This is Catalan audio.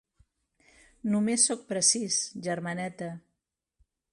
Només sóc precís, germaneta.